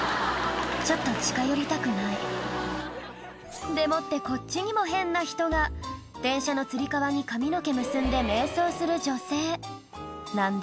ちょっと近寄りたくないでもってこっちにも変な人が電車のつり革に髪の毛結んで瞑想する女性何だ？